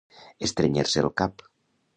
Estrènyer-se el cap.